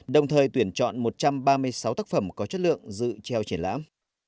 đồng thời tuyển chọn một trăm ba mươi sáu tác phẩm có chất lượng dự treo triển lãm